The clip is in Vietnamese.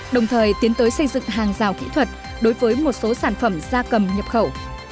đồng thời tiến tới xây dựng hàng rào kỹ thuật đối với một số sản phẩm da cầm nhập khẩu